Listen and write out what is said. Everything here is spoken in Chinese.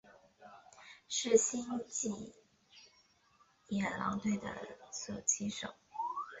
是星际野狼队的狙击手。